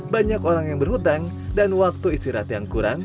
banyak orang yang berhutang dan waktu istirahat yang kurang